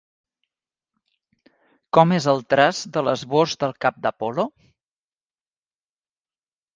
Com és el traç de l'esbós del cap d'Apol·lo?